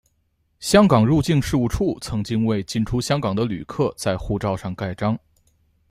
香港入境事务处曾经为进出香港的旅客在护照上盖章。